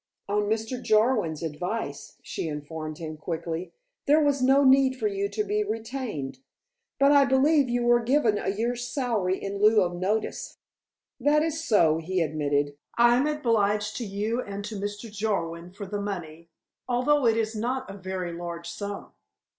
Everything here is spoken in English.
"On Mr. Jarwin's advice," she informed him quickly. "There was no need for you to be retained. But I believe that you were given a year's salary in lieu of notice." "That is so," he admitted. "I am obliged to you and to Mr. Jarwin for the money, although it is not a very large sum.